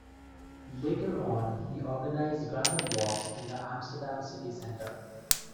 Later on, he organized random walks in the Amsterdam City Centre.